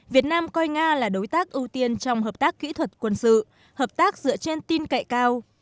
việt nam coi nga là đối tác ưu tiên trong hợp tác kỹ thuật quân sự hợp tác dựa trên tin cậy cao